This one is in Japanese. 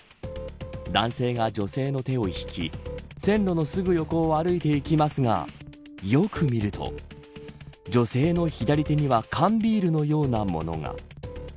男性が女性の手を引き線路のすぐ横を歩いていきますがよく見ると女性の左手には缶ビールのようなものが。